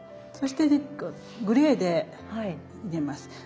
そしてグレーで入れます。